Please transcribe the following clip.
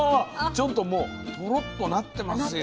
ちょっともうトロッとなってますよ。